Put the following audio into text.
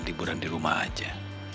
liburan di rumah aja